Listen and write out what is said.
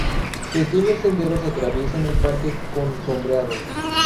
Pequeños senderos atraviesan el parque con sombreado.